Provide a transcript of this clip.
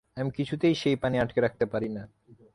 আমি কিছুতেই সেই পানি আটকে রাখতে পারি না।